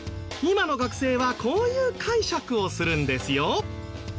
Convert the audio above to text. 今の学生はこういう解釈をするんですよ。